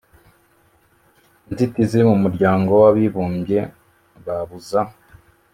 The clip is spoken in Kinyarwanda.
«inzitizi» mu muryango w'abibumbye babuza